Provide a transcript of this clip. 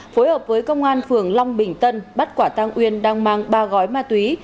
phối hợp với công an phường long bình tân bắt quả tang uyên đang mang ba gói ma túy